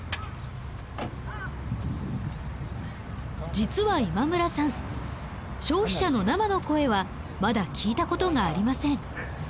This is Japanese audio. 実は今村さん消費者の生の声はまだ聞いたことがありません。